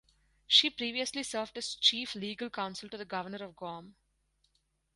She previously served as Chief Legal Counsel to the Governor of Guam.